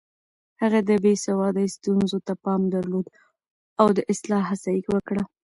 هغه د بې سوادۍ ستونزو ته پام درلود او د اصلاح هڅه يې وکړه.